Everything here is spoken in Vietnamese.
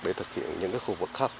để thực hiện những khu vực khác